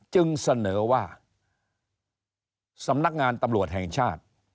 จึงเสนอว่าสำนักงานตำรวจแห่งชาติ